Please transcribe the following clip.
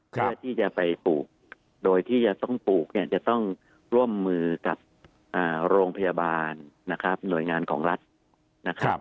เพื่อที่จะไปปลูกโดยที่จะต้องปลูกเนี่ยจะต้องร่วมมือกับโรงพยาบาลนะครับหน่วยงานของรัฐนะครับ